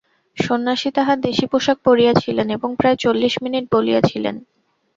সন্ন্যাসী তাঁহার দেশী পোষাক পরিয়াছিলেন এবং প্রায় চল্লিশ মিনিট বলিয়াছিলেন।